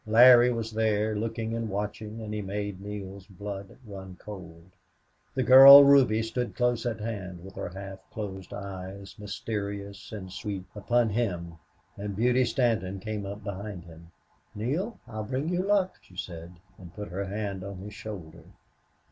Larry was there, looking and watching, and he made Neale's blood run cold. The girl Ruby stood close at hand, with her half closed eyes, mysterious and sweet, upon him, and Beauty Stanton came up behind him. "Neale, I'll bring you luck," she said, and put her hand on his shoulder.